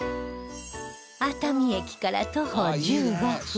熱海駅から徒歩１５分